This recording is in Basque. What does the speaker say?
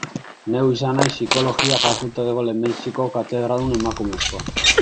Neu izan naiz Psikologia fakultateko lehenbiziko katedradun emakumezkoa.